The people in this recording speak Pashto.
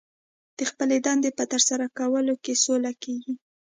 د خپلې دندې په ترسره کولو کې سوکه کېږي